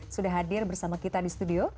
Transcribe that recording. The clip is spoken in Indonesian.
sudah hadir bersama kita di studio